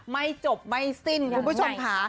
ไม่จบไม่สิ้นคุณผู้ชมค่ะ